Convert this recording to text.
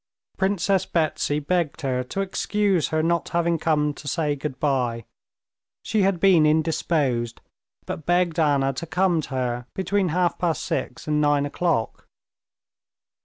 Princess Betsy begged her to excuse her not having come to say good bye; she had been indisposed, but begged Anna to come to her between half past six and nine o'clock.